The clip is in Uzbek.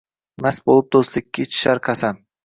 Mast bo’lib do’stlikka ichishar qasam